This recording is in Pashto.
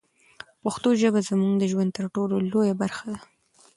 پښتو ژبه زموږ د ژوند تر ټولو لویه برخه ده.